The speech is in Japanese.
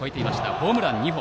ホームラン２本。